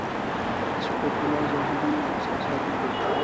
صفت الله زاهدي مو احساساتي کړ.